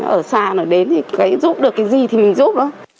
ở xa đến thì giúp được cái gì thì mình giúp